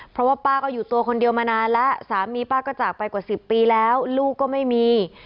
เพราะว่าป้าก็อยู่ตัวคนเดียวมานานแล้วสามีป้าก็จากไปกว่า๑๐ปีแล้วลูกก็ไม่มี